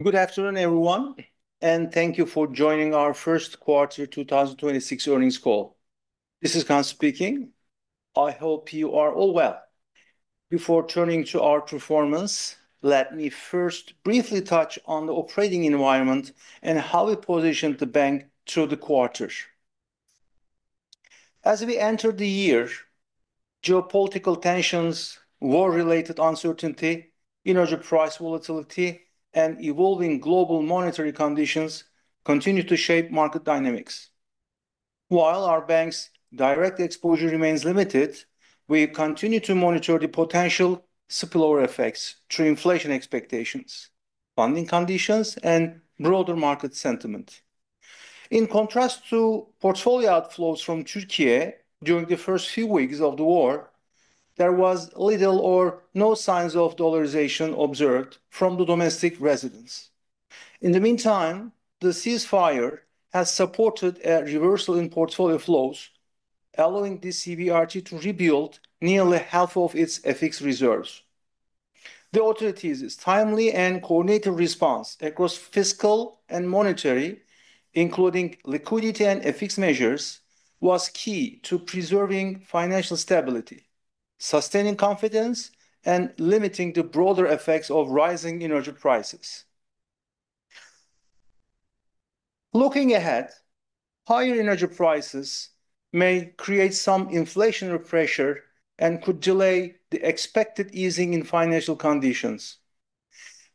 Good afternoon, everyone. Thank you for joining our first quarter 2026 earnings call. This is Kaan speaking. I hope you are all well. Before turning to our performance, let me first briefly touch on the operating environment and how we positioned the bank through the quarter. As we enter the year, geopolitical tensions, war-related uncertainty, energy price volatility, and evolving global monetary conditions continue to shape market dynamics. While our bank's direct exposure remains limited, we continue to monitor the potential spillover effects through inflation expectations, funding conditions, and broader market sentiment. In contrast to portfolio outflows from Türkiye during the first few weeks of the war, there was little or no signs of dollarization observed from the domestic residents. In the meantime, the ceasefire has supported a reversal in portfolio flows, allowing the CBRT to rebuild nearly half of its FX reserves. The authorities' timely and coordinated response across fiscal and monetary, including liquidity and FX measures, was key to preserving financial stability, sustaining confidence, and limiting the broader effects of rising energy prices. Looking ahead, higher energy prices may create some inflationary pressure and could delay the expected easing in financial conditions.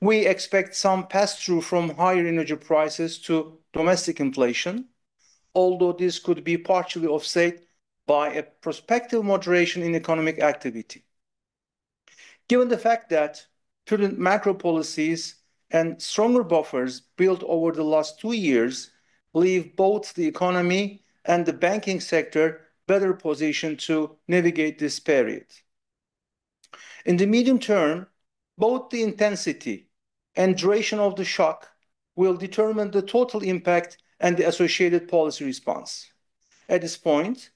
We expect some pass-through from higher energy prices to domestic inflation, although this could be partially offset by a prospective moderation in economic activity. Given the fact that prudent macro policies and stronger buffers built over the last two years leave both the economy and the banking sector better positioned to navigate this period. In the medium term, both the intensity and duration of the shock will determine the total impact and the associated policy response. At this point,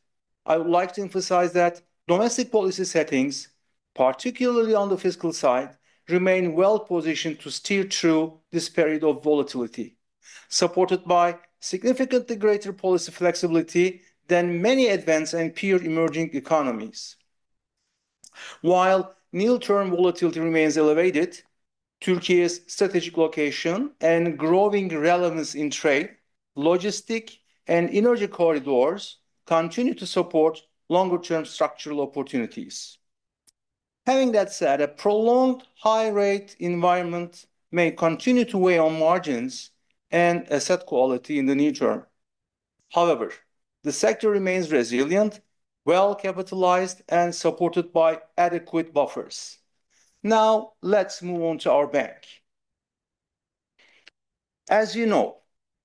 I would like to emphasize that domestic policy settings, particularly on the fiscal side, remain well-positioned to steer through this period of volatility, supported by significantly greater policy flexibility than many advanced and peer emerging economies. While near-term volatility remains elevated, Türkiye's strategic location and growing relevance in trade, logistic, and energy corridors continue to support longer-term structural opportunities. Having that said, a prolonged high-rate environment may continue to weigh on margins and asset quality in the near term. However, the sector remains resilient, well-capitalized, and supported by adequate buffers. Now, let's move on to our bank. As you know,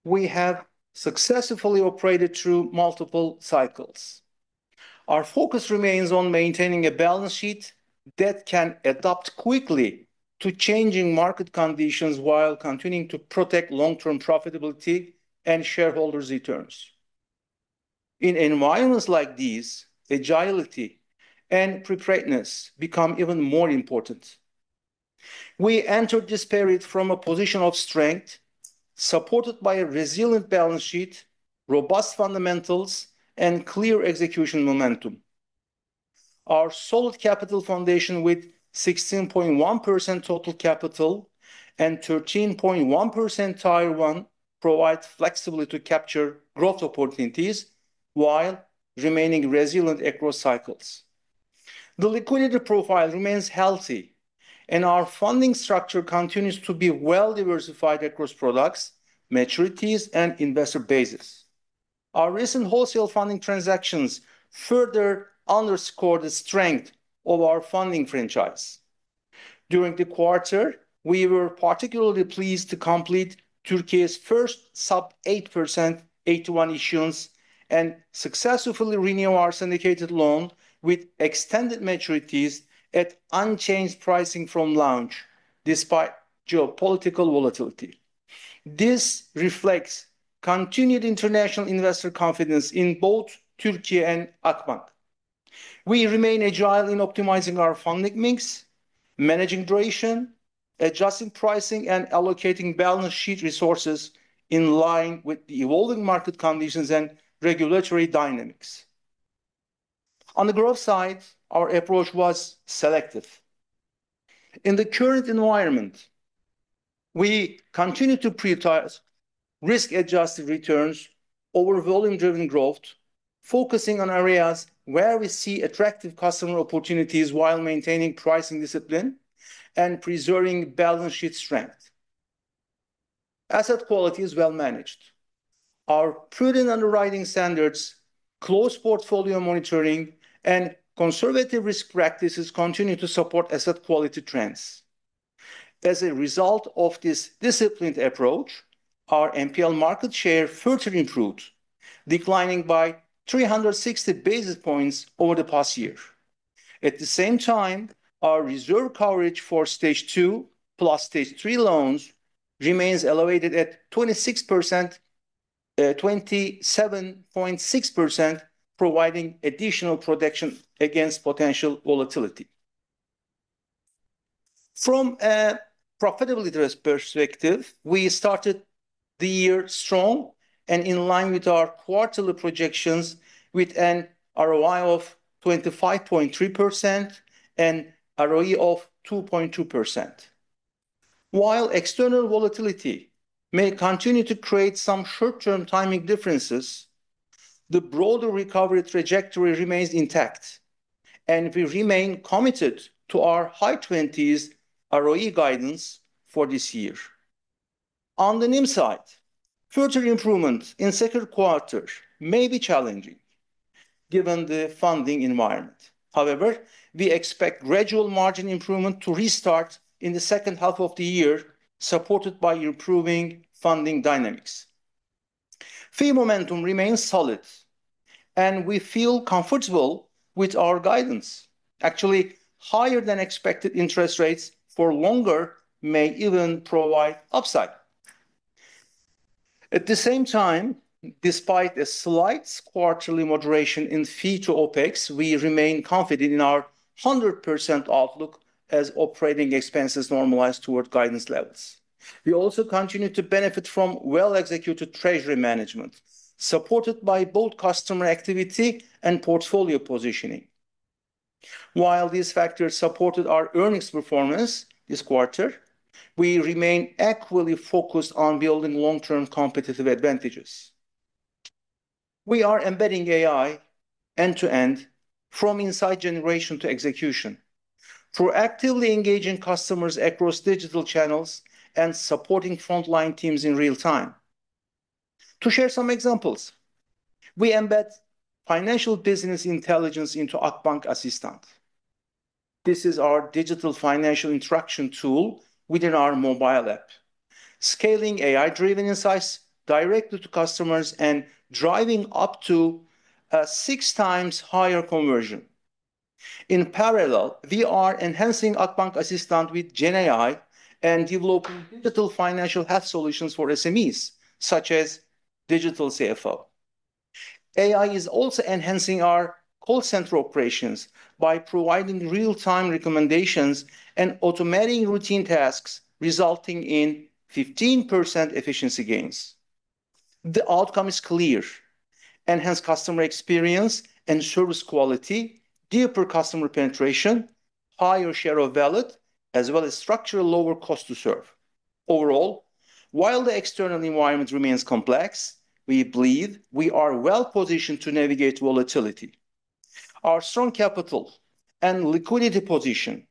we have successfully operated through multiple cycles. Our focus remains on maintaining a balance sheet that can adapt quickly to changing market conditions while continuing to protect long-term profitability and shareholder returns. In environments like these, agility and preparedness become even more important. We enter this period from a position of strength, supported by a resilient balance sheet, robust fundamentals, and clear execution momentum. Our solid capital foundation with 16.1% total capital and 13.1% Tier 1 provides flexibility to capture growth opportunities while remaining resilient across cycles. The liquidity profile remains healthy, and our funding structure continues to be well-diversified across products, maturities, and investor bases. Our recent wholesale funding transactions further underscore the strength of our funding franchise. During the quarter, we were particularly pleased to complete Türkiye's first sub eight percent AT1 issuance and successfully renew our syndicated loan with extended maturities at unchanged pricing from launch despite geopolitical volatility. This reflects continued international investor confidence in both Türkiye and Akbank. We remain agile in optimizing our funding mix, managing duration, adjusting pricing, and allocating balance sheet resources in line with the evolving market conditions and regulatory dynamics. On the growth side, our approach was selective. In the current environment, we continue to prioritize risk-adjusted returns over volume-driven growth, focusing on areas where we see attractive customer opportunities while maintaining pricing discipline and preserving balance sheet strength. Asset quality is well managed. Our prudent underwriting standards, close portfolio monitoring, and conservative risk practices continue to support asset quality trends. As a result of this disciplined approach, our NPL market share further improved, declining by 360 basis points over the past year. At the same time, our reserve coverage for Stage 2 plus Stage 3 loans remains elevated at 27.6%, providing additional protection against potential volatility. From a profitability perspective, we started the year strong. In line with our quarterly projections with an ROI of 25.3% and ROE of two point two percent. While external volatility may continue to create some short-term timing differences, the broader recovery trajectory remains intact, and we remain committed to our high 20s ROE guidance for this year. On the NIM side, future improvement in second quarter may be challenging given the funding environment. We expect gradual margin improvement to restart in the second half of the year, supported by improving funding dynamics. Fee momentum remains solid, and we feel comfortable with our guidance. Higher than expected interest rates for longer may even provide upside. At the same time, despite a slight quarterly moderation in fee to OpEx, we remain confident in our 100% outlook as operating expenses normalize toward guidance levels. We also continue to benefit from well-executed treasury management, supported by both customer activity and portfolio positioning. While these factors supported our earnings performance this quarter, we remain equally focused on building long-term competitive advantages. We are embedding AI end-to-end from insight generation to execution through actively engaging customers across digital channels and supporting frontline teams in real time. To share some examples, we embed financial business intelligence into Akbank Assistant. This is our digital financial interaction tool within our mobile app, scaling AI-driven insights directly to customers and driving up to six times higher conversion. In parallel, we are enhancing Akbank Assistant with GenAI, and developing digital financial health solutions for SMEs, such as digital CFO. AI is also enhancing our call center operations by providing real-time recommendations, and automating routine tasks resulting in 15% efficiency gains. The outcome is clear. Enhance customer experience and service quality, deeper customer penetration, higher share of wallet, as well as structural lower cost to serve. Overall, while the external environment remains complex, we believe we are well-positioned to navigate volatility. Our strong capital and liquidity position,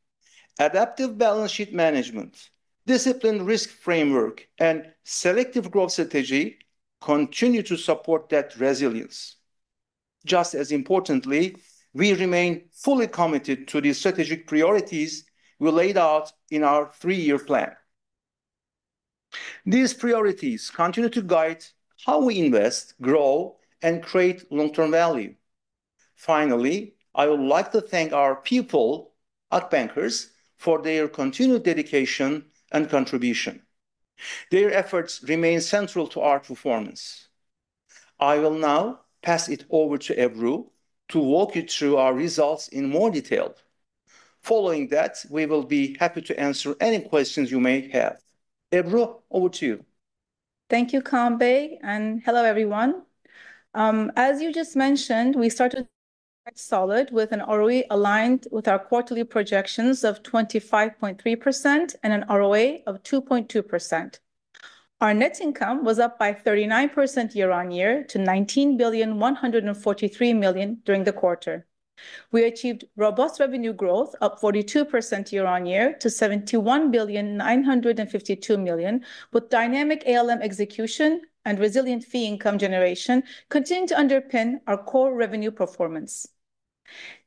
adaptive balance sheet management, disciplined risk framework, and selective growth strategy continue to support that resilience. Just as importantly, we remain fully committed to the strategic priorities we laid out in our three-year plan. These priorities continue to guide how we invest, grow, and create long-term value. Finally, I would like to thank our people at bankers for their continued dedication and contribution. Their efforts remain central to our performance. I will now pass it over to Ebru to walk you through our results in more detail. Following that, we will be happy to answer any questions you may have. Ebru, over to you. Thank you, Kaan Bey, and hello, everyone. As you just mentioned, we started quite solid with an ROE aligned with our quarterly projections of 25.3% and an ROA of two point two percent. Our net income was up by 39% year-on-year to 19,143 million during the quarter. We achieved robust revenue growth, up 42% year-on-year to 71,952 million, with dynamic ALM execution and resilient fee income generation continuing to underpin our core revenue performance.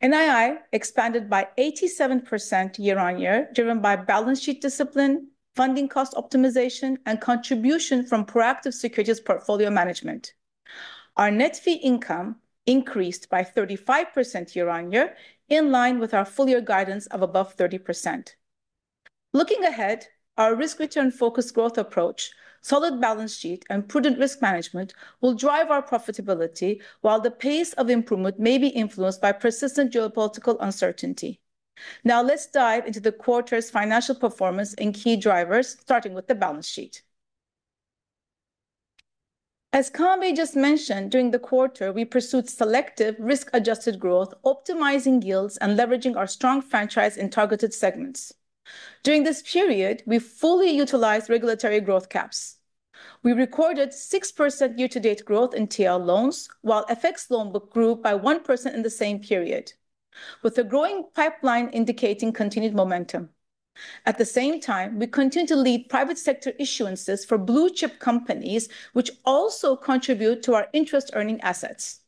NII expanded by 87% year-on-year, driven by balance sheet discipline, funding cost optimization, and contribution from proactive securities portfolio management. Our net fee income increased by 35% year-on-year, in line with our full year guidance of above 30%. Looking ahead, our risk return focused growth approach, solid balance sheet, and prudent risk management will drive our profitability, while the pace of improvement may be influenced by persistent geopolitical uncertainty. Now, let's dive into the quarter's financial performance and key drivers, starting with the balance sheet. As Kaan Bey just mentioned, during the quarter, we pursued selective risk-adjusted growth, optimizing yields, and leveraging our strong franchise in targeted segments. During this period, we fully utilized regulatory growth caps. We recorded six percent year-to-date growth in TL loans, while FX loan book grew by one percent in the same period, with a growing pipeline indicating continued momentum. At the same time, we continue to lead private sector issuances for blue chip companies, which also contribute to our interest earning assets.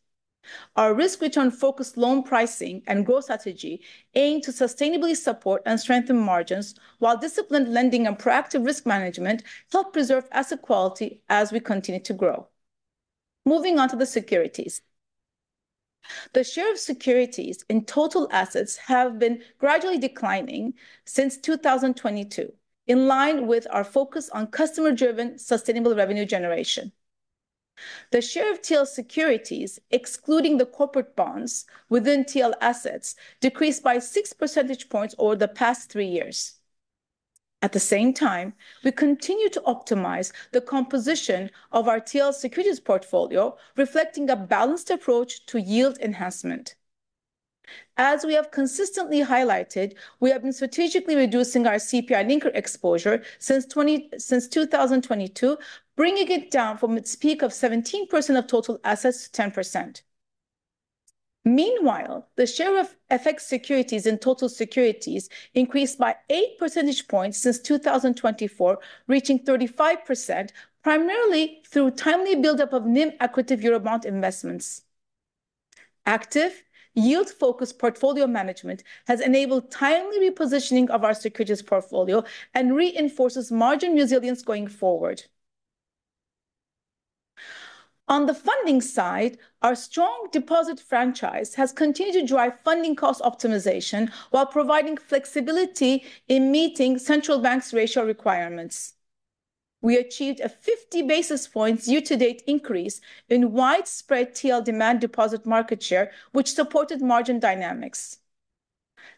Our risk return focused loan pricing and growth strategy aim to sustainably support and strengthen margins, while disciplined lending and proactive risk management help preserve asset quality as we continue to grow. Moving on to the securities. The share of securities and total assets have been gradually declining since 2022, in line with our focus on customer-driven sustainable revenue generation. The share of TL securities, excluding the corporate bonds within TL assets, decreased by six percentage points over the past three years. At the same time, we continue to optimize the composition of our TL securities portfolio, reflecting a balanced approach to yield enhancement. As we have consistently highlighted, we have been strategically reducing our CPI-linked exposure since 2022, bringing it down from its peak of 17% of total assets to 10%. Meanwhile, the share of FX securities and total securities increased by eight percentage points since 2024, reaching 35%, primarily through timely buildup of NIM equity eurobond investments. Active yield-focused portfolio management has enabled timely repositioning of our securities portfolio and reinforces margin resilience going forward. On the funding side, our strong deposit franchise has continued to drive funding cost optimization while providing flexibility in meeting Central Bank's ratio requirements. We achieved a 50 basis points year-to-date increase in widespread TL demand deposit market share, which supported margin dynamics.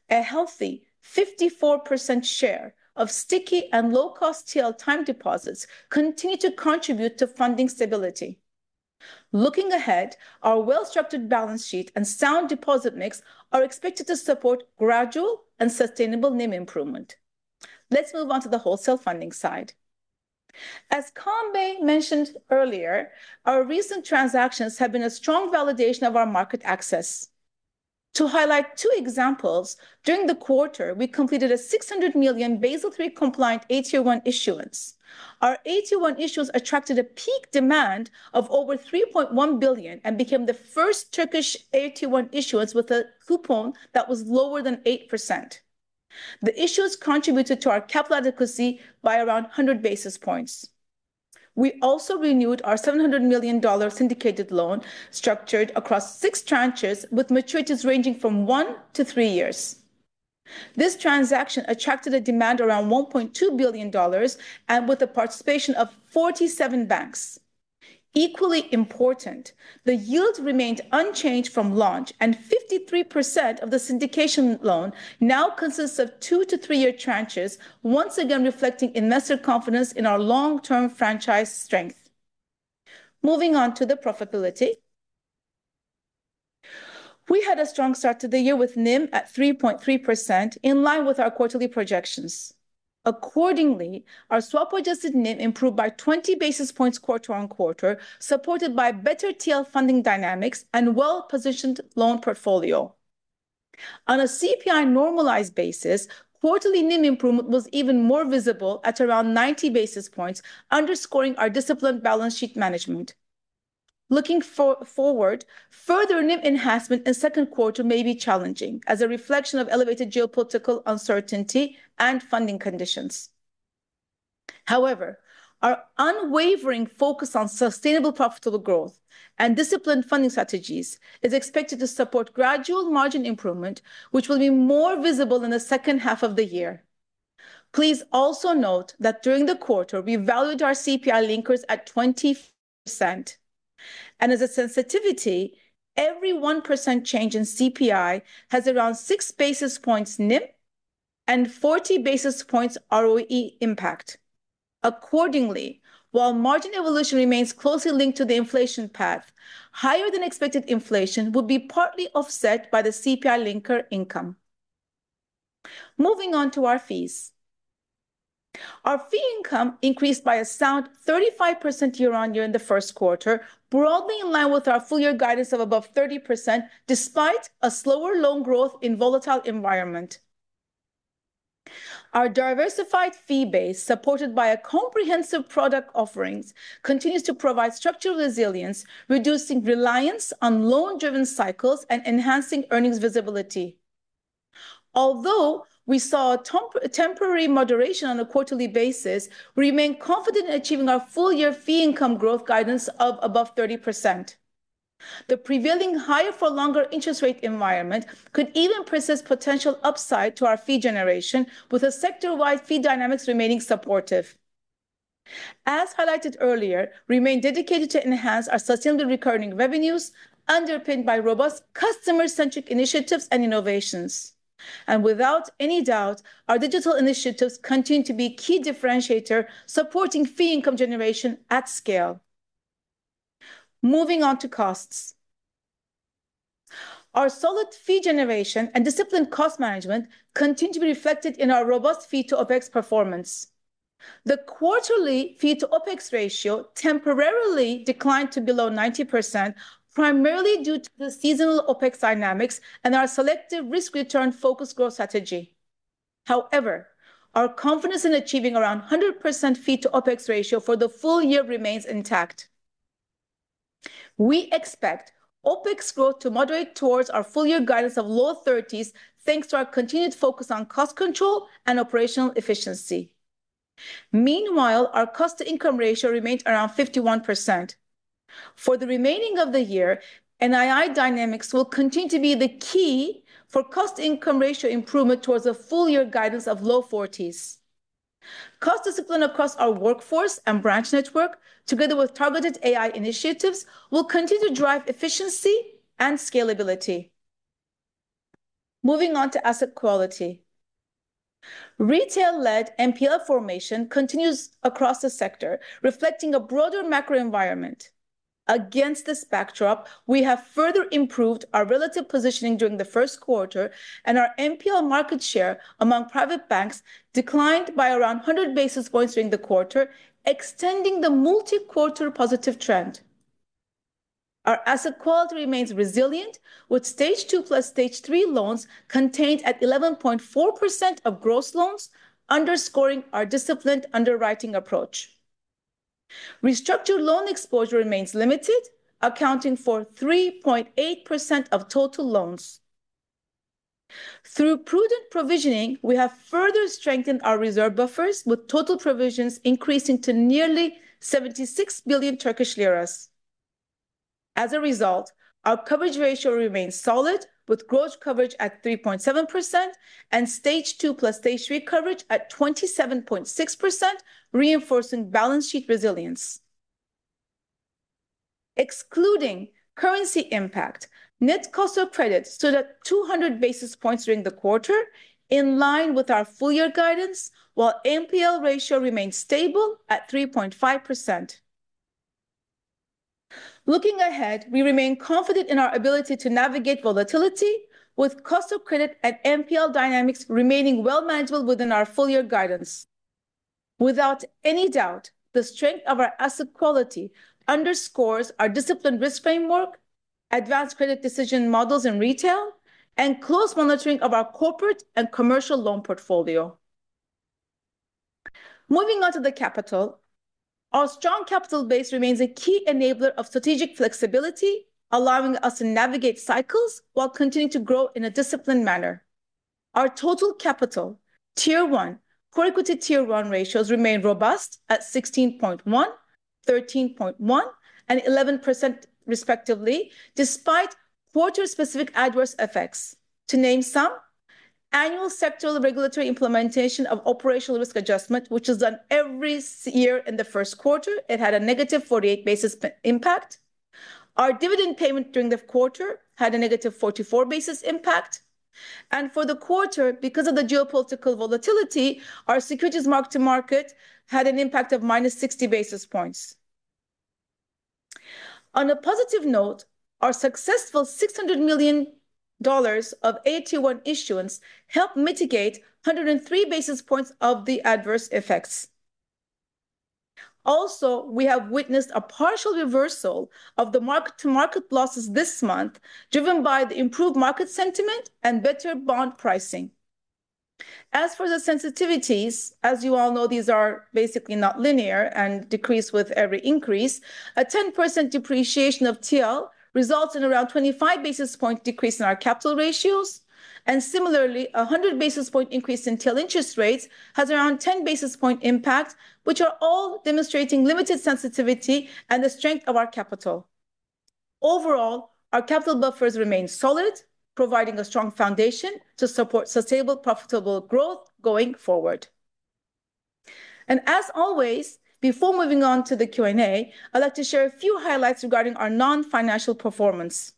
A healthy 54% share of sticky and low-cost TL time deposits continue to contribute to funding stability. Looking ahead, our well-structured balance sheet and sound deposit mix are expected to support gradual and sustainable NIM improvement. Let's move on to the wholesale funding side. As Kaan Bey mentioned earlier, our recent transactions have been a strong validation of our market access. To highlight two examples, during the quarter, we completed a 600 million Basel III-compliant AT1 issuance. Our AT1 issuance attracted a peak demand of over 3.1 billion and became the first Turkish AT1 issuance with a coupon that was lower than eight percent. The issuance contributed to our capital adequacy by around 100 basis points. We also renewed our $700 million syndicated loan structured across six tranches with maturities ranging from one to three years. This transaction attracted a demand around $1.2 billion, and with the participation of 47 banks. Equally important, the yield remained unchanged from launch, and 53% of the syndicated loan now consists of two to three year tranches, once again reflecting investor confidence in our long-term franchise strength. Moving on to the profitability. We had a strong start to the year with NIM at three point three percent, in line with our quarterly projections. Our swap-adjusted NIM improved by 20 basis points quarter-on-quarter, supported by better TL funding dynamics and well-positioned loan portfolio. On a CPI-normalized basis, quarterly NIM improvement was even more visible at around 90 basis points, underscoring our disciplined balance sheet management. Looking forward, further NIM enhancement in second quarter may be challenging as a reflection of elevated geopolitical uncertainty and funding conditions. Our unwavering focus on sustainable profitable growth and disciplined funding strategies is expected to support gradual margin improvement, which will be more visible in the second half of the year. Please also note that during the quarter, we valued our CPI linkers at 20%. As a sensitivity, every one percent change in CPI has around six basis points NIM and 40 basis points ROE impact. Accordingly, while margin evolution remains closely linked to the inflation path, higher-than-expected inflation will be partly offset by the CPI linker income. Moving on to our fees. Our fee income increased by a sound 35% year-on-year in the first quarter, broadly in line with our full-year guidance of above 30% despite a slower loan growth in volatile environment. Our diversified fee base, supported by comprehensive product offerings, continues to provide structural resilience, reducing reliance on loan-driven cycles and enhancing earnings visibility. Although we saw a temporary moderation on a quarterly basis, we remain confident in achieving our full-year fee income growth guidance of above 30%. The prevailing higher-for-longer interest rate environment could even present potential upside to our fee generation, with a sector-wide fee dynamics remaining supportive. As highlighted earlier, we remain dedicated to enhance our sustainably recurring revenues underpinned by robust customer-centric initiatives and innovations. Without any doubt, our digital initiatives continue to be key differentiator, supporting fee income generation at scale. Moving on to costs. Our solid fee generation and disciplined cost management continue to be reflected in our robust fee to OpEx performance. The quarterly fee to OpEx ratio temporarily declined to below 90%, primarily due to the seasonal OpEx dynamics and our selective risk-return-focused growth strategy. However, our confidence in achieving around 100% fee to OpEx ratio for the full year remains intact. We expect OpEx growth to moderate towards our full-year guidance of low 30s, thanks to our continued focus on cost control and operational efficiency. Meanwhile, our cost to income ratio remains around 51%. For the remaining of the year, NII dynamics will continue to be the key for cost income ratio improvement towards a full year guidance of low 40s. Cost discipline across our workforce and branch network, together with targeted AI initiatives, will continue to drive efficiency and scalability. Moving on to asset quality. Retail-led NPL formation continues across the sector, reflecting a broader macro environment. Against this backdrop, we have further improved our relative positioning during the first quarter, and our NPL market share among private banks declined by around 100 basis points during the quarter, extending the multi-quarter positive trend. Our asset quality remains resilient, with Stage 2 plus Stage 3 loans contained at 11.4% of gross loans, underscoring our disciplined underwriting approach. Restructured loan exposure remains limited, accounting for three point eight percent of total loans. Through prudent provisioning, we have further strengthened our reserve buffers with total provisions increasing to nearly 76 billion Turkish lira. As a result, our coverage ratio remains solid, with gross coverage at 3.7% and Stage 2 plus Stage 3 coverage at 27.6%, reinforcing balance sheet resilience. Excluding currency impact, net cost of credits stood at 200 basis points during the quarter, in line with our full year guidance, while NPL ratio remains stable at three point five percent. Looking ahead, we remain confident in our ability to navigate volatility, with cost of credit at NPL dynamics remaining well manageable within our full year guidance. Without any doubt, the strength of our asset quality underscores our disciplined risk framework, advanced credit decision models in retail, and close monitoring of our corporate and commercial loan portfolio. Moving on to the capital. Our strong capital base remains a key enabler of strategic flexibility, allowing us to navigate cycles while continuing to grow in a disciplined manner. Our total capital Tier 1, core equity Tier 1 ratios remain robust at 16.1, 13.1, and 11% respectively, despite quarter specific adverse effects. To name some, annual sectoral regulatory implementation of operational risk adjustment, which is done every year in the first quarter, it had a negative 48 basis point impact. Our dividend payment during the quarter had a negative 44 basis impact. For the quarter, because of the geopolitical volatility, our securities mark-to-market had an impact of minus 60 basis points. On a positive note, our successful $600 million of AT1 issuance helped mitigate 103 basis points of the adverse effects. Also, we have witnessed a partial reversal of the mark-to-market losses this month, driven by the improved market sentiment and better bond pricing. As for the sensitivities, as you all know, these are basically not linear and decrease with every increase. A 10% depreciation of TL results in around 25 basis point decrease in our capital ratios. Similarly, a 100 basis point increase in TL interest rates has around 10 basis point impact, which are all demonstrating limited sensitivity and the strength of our capital. Overall, our capital buffers remain solid, providing a strong foundation to support sustainable, profitable growth going forward. As always, before moving on to the Q&A, I'd like to share a few highlights regarding our non-financial performance.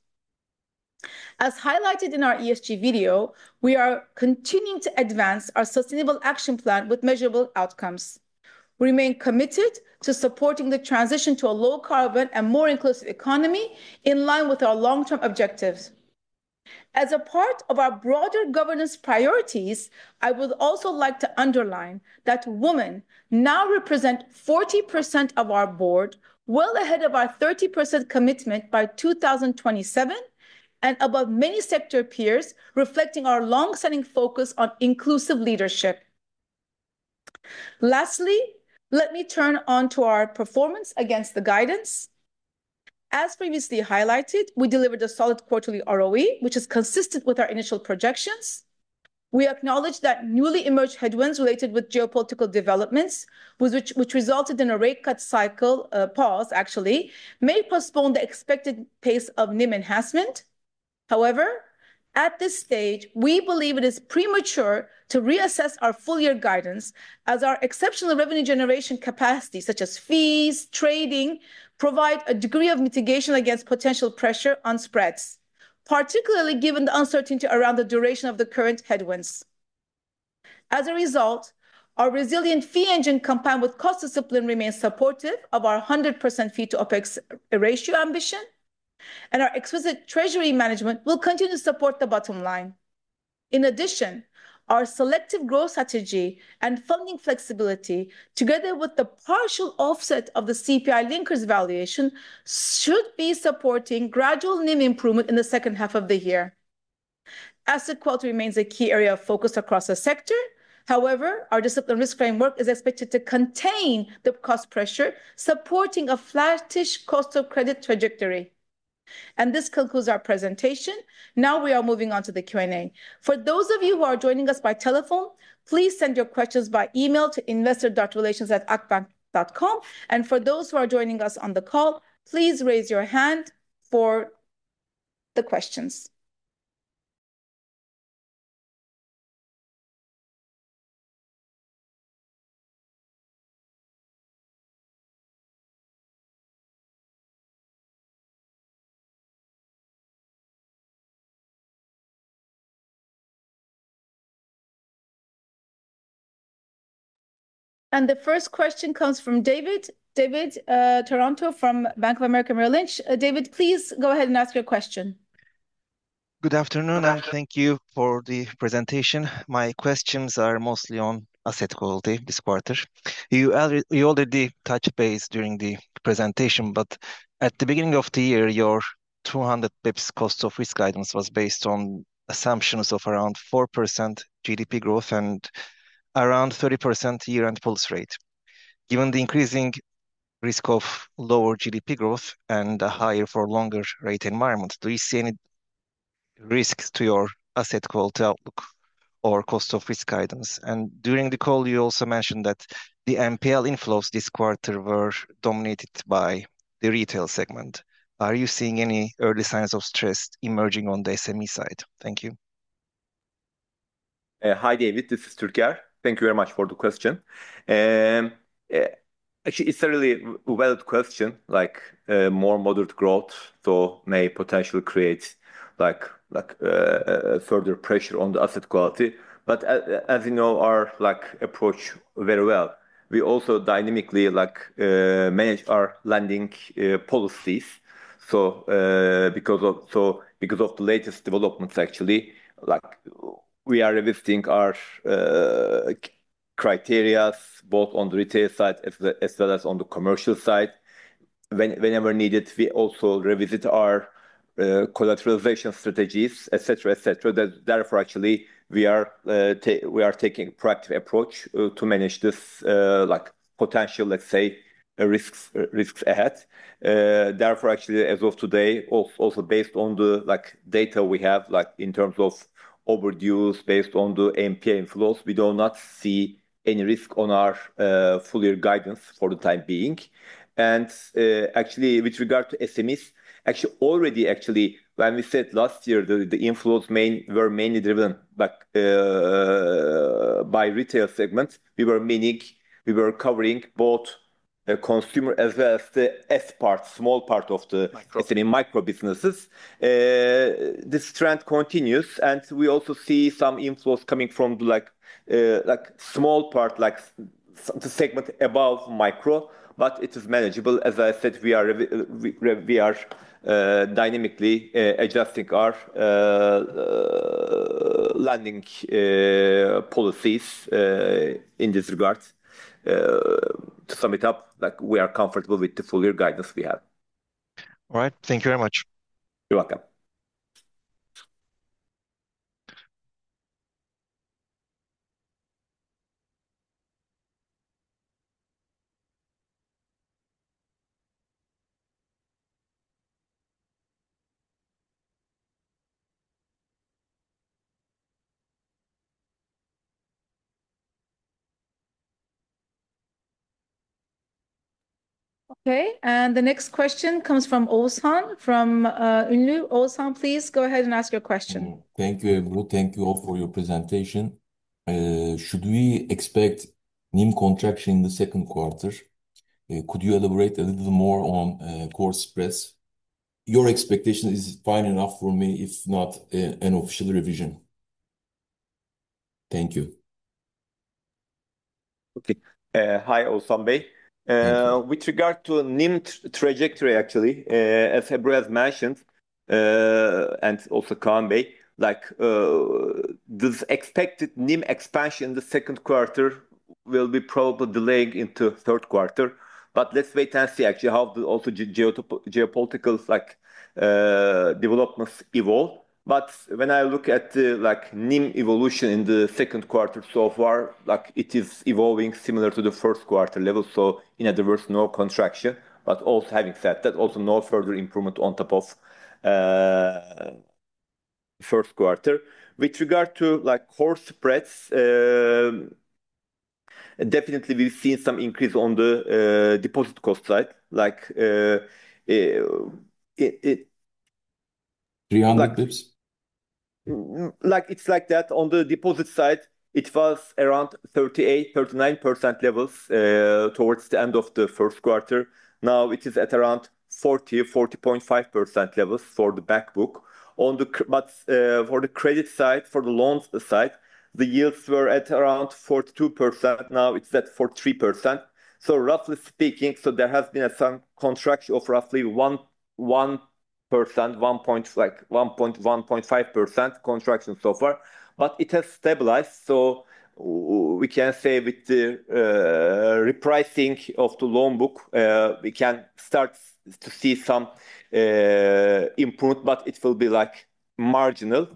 As highlighted in our ESG video, we are continuing to advance our sustainable action plan with measurable outcomes. We remain committed to supporting the transition to a low carbon and more inclusive economy in line with our long-term objectives. As a part of our broader governance priorities, I would also like to underline that women now represent 40% of our board, well ahead of our 30% commitment by 2027, and above many sector peers, reflecting our long-standing focus on inclusive leadership. Lastly, let me turn on to our performance against the guidance. As previously highlighted, we delivered a solid quarterly ROE, which is consistent with our initial projections. We acknowledge that newly emerged headwinds related with geopolitical developments, which resulted in a rate cut cycle, pause actually, may postpone the expected pace of NIM enhancement. However, at this stage, we believe it is premature to reassess our full year guidance as our exceptional revenue generation capacity, such as fees, trading, provide a degree of mitigation against potential pressure on spreads, particularly given the uncertainty around the duration of the current headwinds. As a result, our resilient fee engine combined with cost discipline remains supportive of our 100% fee to OpEx ratio ambition, and our exquisite treasury management will continue to support the bottom line. In addition, our selective growth strategy and funding flexibility, together with the partial offset of the CPI linkers valuation, should be supporting gradual NIM improvement in the second half of the year. Asset quality remains a key area of focus across the sector. However, our disciplined risk framework is expected to contain the cost pressure, supporting a flattish cost of credit trajectory. This concludes our presentation. Now we are moving on to the Q&A. For those of you who are joining us by telephone, please send your questions by email to investor.relations@akbank.com. For those who are joining us on the call, please raise your hand for the questions. The first question comes from David. David Taranto from Bank of America Merrill Lynch. David, please go ahead and ask your question. Good afternoon and thank you for the presentation. My questions are mostly on asset quality this quarter. You already touched base during the presentation, but at the beginning of the year, your 200 basis points cost of risk guidance was based on assumptions of around four percent GDP growth, and around 30% year-end policy rate. Given the increasing risk of lower GDP growth, and a higher for longer rate environment, do you see any risks to your asset quality outlook or cost of risk guidance? During the call, you also mentioned that the NPL inflows this quarter were dominated by the retail segment. Are you seeing any early signs of stress emerging on the SME side? Thank you. Hi, David. This is Türker. Thank you very much for the question. Actually, it's a really well put question, like, more moderate growth though may potentially create like further pressure on the asset quality. As you know our, like, approach very well. We also dynamically, like, manage our lending policies. Because of the latest developments actually, like we are revisiting our criteria both on the retail side as well as on the commercial side. Whenever needed, we also revisit our collateralization strategies, et cetera, et cetera. Therefore, actually, we are taking a proactive approach to manage this, like potential, let's say, risks ahead. Therefore, actually, as of today, also based on the, like, data we have, like in terms of overdues based on the NPL inflows, we do not see any risk on our full-year guidance for the time being. Actually, with regard to SMEs, actually already, actually, when we said last year the inflows were mainly driven back by retail segments, we were meaning we were covering both the consumer as well as the S part, small part of the, SME micro businesses. This trend continues, and we also see some inflows coming from like small part, like the segment above micro, but it is manageable. As I said, we are dynamically adjusting our lending policies in this regard. To sum it up, like we are comfortable with the full-year guidance we have. All right. Thank you very much. You're welcome. Okay. The next question comes from Ozan from Ünlü. Ozan, please go ahead and ask your question. Thank you, Ebru. Thank you all for your presentation. Should we expect NIM contraction in the second quarter? Could you elaborate a little more on core spreads? Your expectation is fine enough for me, if not, an official revision. Thank you. Okay. Hi, Ozan Bey. With regard to NIM trajectory, as Ebru has mentioned, and also Kaan Gür, this expected NIM expansion in the second quarter will be probably delayed into third quarter, let's wait and see how the also geopolitical developments evolve. When I look at the NIM evolution in the second quarter so far, it is evolving similar to the first quarter level, so in a diverse, no contraction. Also having said that, also no further improvement on top of first quarter. With regard to core spreads, definitely we've seen some increase on the deposit cost side. 300 basis points? It's like that. On the deposit side, it was around 38%-39% levels towards the end of the first quarter. Now it is at around 40%-40.5% levels for the back book. On the credit side, for the loans side, the yields were at around 42%, now it's at 43%. Roughly speaking, there has been some contraction of roughly one, one point five percent contraction so far. It has stabilized. We can say with the repricing of the loan book, we can start to see some improvement, but it will be like marginal.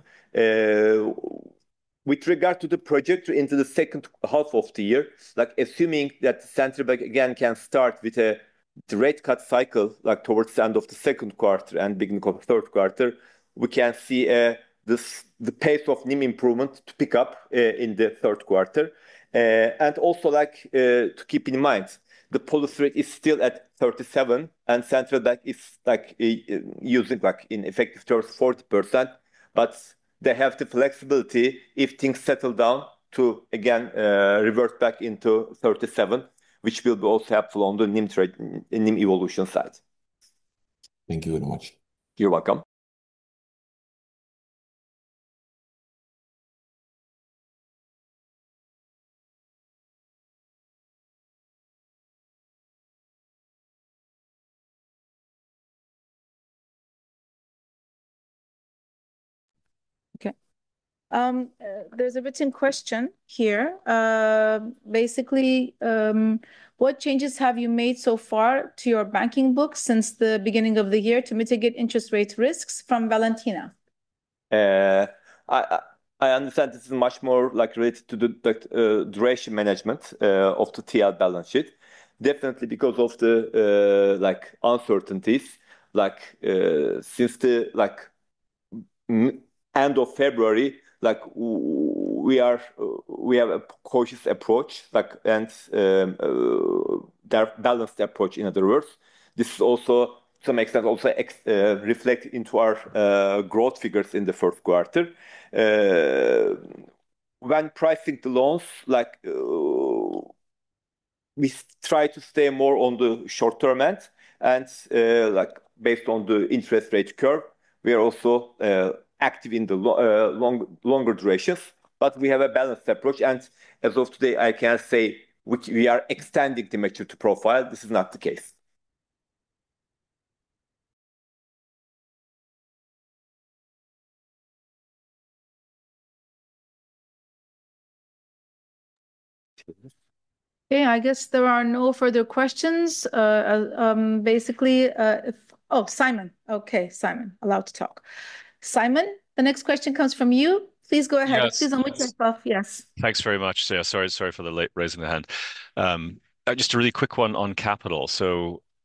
With regard to the trajectory into the second half of the year, like, assuming that Central Bank again can start with a rate cut cycle, like, towards the end of the second quarter and beginning of third quarter, we can see this, the pace of NIM improvement to pick up in the third quarter. Also like, to keep in mind, the policy rate is still at 37, and Central Bank is like, using like in effective terms 40%. But they have the flexibility if things settle down to again, revert back into 37, which will be also helpful on the NIM trade, NIM evolution side. Thank you very much. You're welcome. There's a written question here. Basically, what changes have you made so far to your banking books since the beginning of the year to mitigate interest rate risks? From Valentina. I understand this is much more like related to the duration management of the TL balance sheet. Definitely because of the like uncertainties, since the like end of February, we have a cautious approach, and balanced approach, in other words. This is also to some extent also reflect into our growth figures in the fourth quarter. When pricing the loans, like, we try to stay more on the short-term end, and, like, based on the interest rate curve, we are also active in the long, longer durations, but we have a balanced approach. As of today, I can say which we are extending the maturity profile, this is not the case. Okay. I guess there are no further questions. Oh, Simon. Okay, Simon, allowed to talk. Simon, the next question comes from you. Please go ahead. Yes. Yes. Please unmute yourself. Yes. Thanks very much. Sorry for the late raising the hand. Just a really quick one on capital.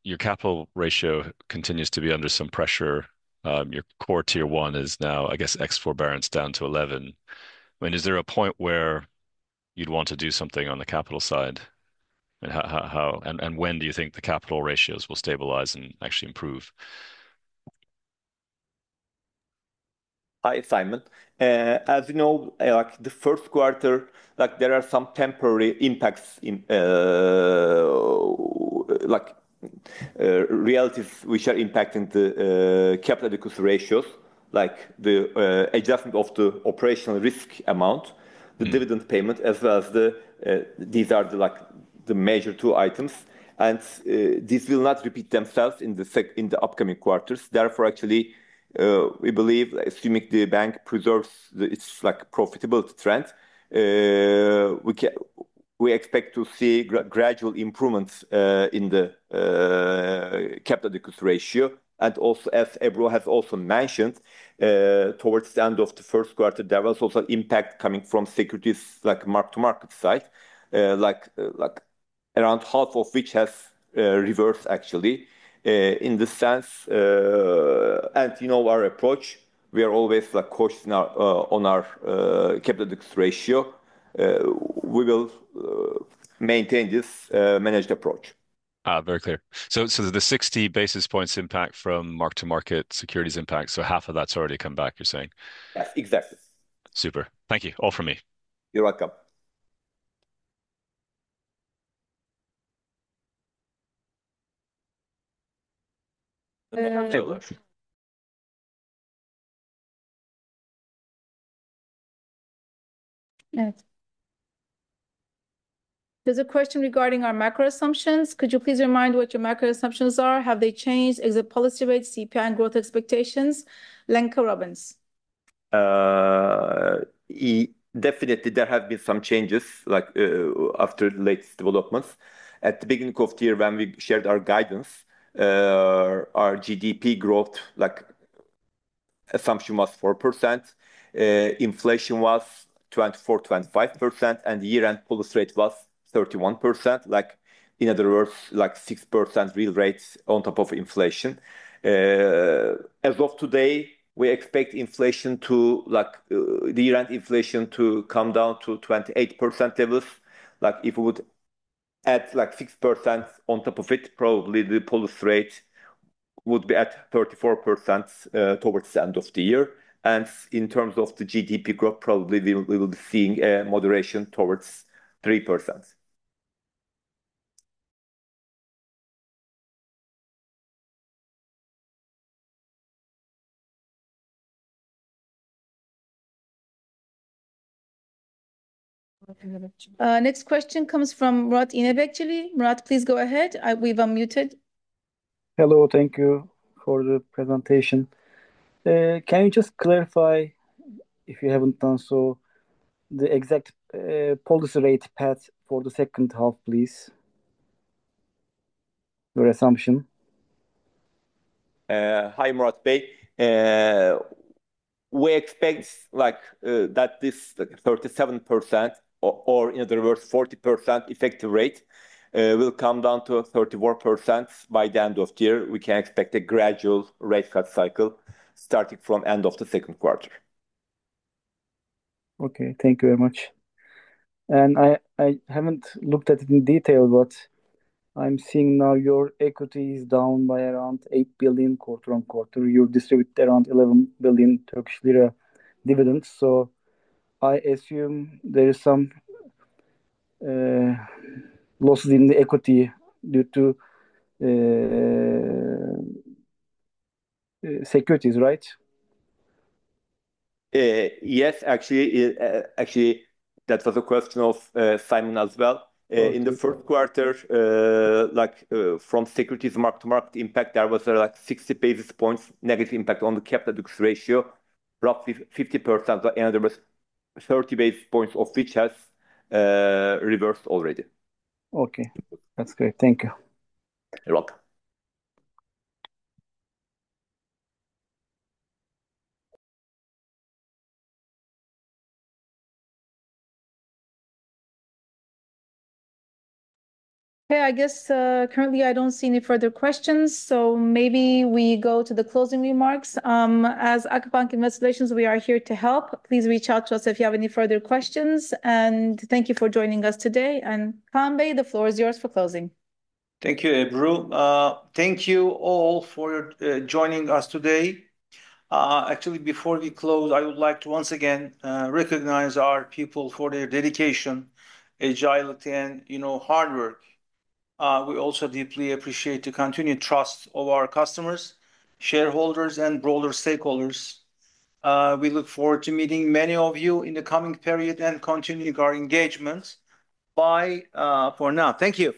Your capital ratio continues to be under some pressure. Your core Tier 1 is now, I guess, ex forbearance down to 11. I mean, is there a point where you'd want to do something on the capital side? How and when do you think the capital ratios will stabilize and actually improve? Hi, Simon. As you know, like the first quarter, there are some temporary impacts in realities which are impacting the capital ratios, the adjustment of the operational risk amount, the dividend payment, as well as these are the major two items. These will not repeat themselves in the upcoming quarters. Therefore, actually, we believe assuming the bank preserves its, like, profitability trend, we expect to see gradual improvements in the capital ratio. Also, as Ebru has also mentioned, towards the end of the first quarter, there was also impact coming from securities like mark-to-market side. Like around half of which has reversed actually. In this sense, you know our approach, we are always like cautious on our capital ratio. We will maintain this managed approach. very clear. The 60 basis points impact from mark-to-market securities impact, so half of that's already come back, you're saying? Yeah, exactly. Super. Thank you. All from me. You're welcome. Yes. There is a question regarding our macro assumptions. Could you please remind what your macro assumptions are? Have they changed? Is it policy rate, CPI, and growth expectations? Lenka Robbins. Definitely there have been some changes, like, after latest developments. At the beginning of the year when we shared our guidance, our GDP growth, like, assumption was four percent. Inflation was 24%-25%, and year-end policy rate was 31%, like, in other words, like six percent real rates on top of inflation. As of today, we expect inflation to, like, year-end inflation to come down to 28% levels. Like, if we would add like six percent on top of it, probably the policy rate would be at 34% towards the end of the year. In terms of the GDP growth, probably we will be seeing a moderation towards three percent. Next question comes from Murat İnekli. Murat, please go ahead. We've unmuted. Hello. Thank you for the presentation. Can you just clarify, if you haven't done so, the exact policy rate path for the second half, please? Your assumption. Hi, Murat Tiftikçi. We expect, like, that this, like, 37% or in other words, 40% effective rate, will come down to 34% by the end of the year. We can expect a gradual rate cut cycle starting from end of the second quarter. Okay. Thank you very much. I haven't looked at it in detail, but I'm seeing now your equity is down by around 8 billion quarter-on-quarter. You distribute around 11 billion Turkish lira dividends, I assume there is some losses in the equity due to securities, right? Yes, actually, that was a question of Simon as well. In the fourth quarter, from securities mark-to-market impact, there was 60 basis points negative impact on the capital ratio, roughly 50% of the end of this 30 basis points of which has reversed already. Okay. That's great. Thank you. You're welcome. Okay. I guess, currently I don't see any further questions, so maybe we go to the closing remarks. As Akbank Investment, we are here to help. Please reach out to us if you have any further questions, and thank you for joining us today. Kaan Gür, the floor is yours for closing. Thank you, Ebru. Thank you all for joining us today. Actually, before we close, I would like to once again recognize our people for their dedication, agility, and, you know, hard work. We also deeply appreciate the continued trust of our customers, shareholders, and broader stakeholders. We look forward to meeting many of you in the coming period and continuing our engagements. Bye for now. Thank you.